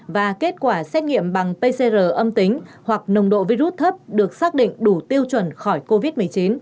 và kết quả xét nghiệm bằng pcr âm tính hoặc nồng độ virus thấp được xác định đủ tiêu chuẩn khỏi covid một mươi chín